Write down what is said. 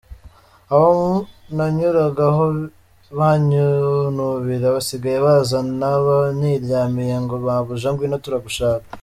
Abo nanyuragaho banyinubira basigaye baza naba niryamiye ngo mabuja, ngwino turagushaka.